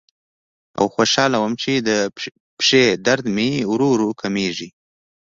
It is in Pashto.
او خوشاله وم چې د پښې درد مې ورو ورو کمیږي.